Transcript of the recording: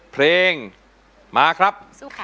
เพลงมาครับ